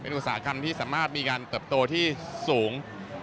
อุตสาหกรรมที่สามารถมีการเติบโตที่สูง